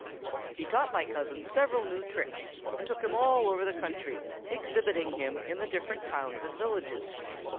"He taught my cousin several new tricks, and took him all over the country, exhibiting him in the different towns and villages.